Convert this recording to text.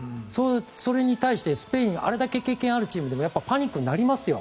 それに対してスペインあれだけ経験あるチームでもパニックになりますよ。